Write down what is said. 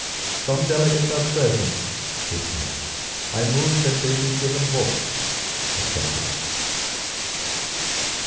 "Some delegates are present," he said. "I move that they be given votes." Accepted.